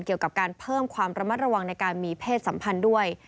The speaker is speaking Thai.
เกี่ยวกับการเพิ่มความระมัดระวังในการมีเพศสัมพันธ์ด้วย